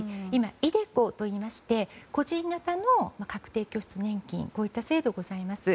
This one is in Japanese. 今、ｉＤｅＣｏと言いまして個人型の確定拠出年金こういった制度がございます。